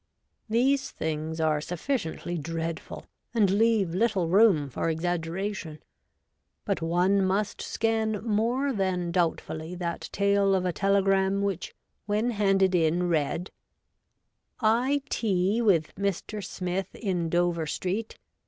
These things are sufficiently dreadful, and leave little room for exaggeration ; but one must scan more than doubtfully that tale of a telegram which when handed in read, ' I tea with Mr. Smith in Dover Street.